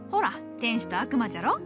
天使と悪魔じゃろ。